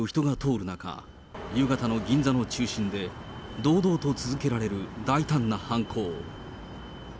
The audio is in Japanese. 大通りを人が通る中、夕方の銀座の中心で、堂々と続けられる大胆な犯行。